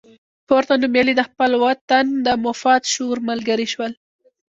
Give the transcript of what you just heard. پورته نومیالي د خپل وطن د مفاد شعور ملګري شول.